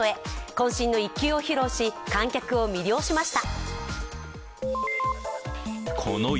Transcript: こん身の一球を披露し観客を魅了しました。